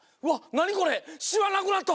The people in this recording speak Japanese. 何これ⁉